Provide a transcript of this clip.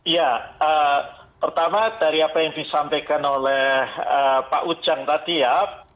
ya pertama dari apa yang disampaikan oleh pak ujang tadi ya